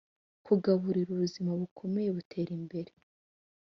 kugaburira ubuzima bukomeye butera imbere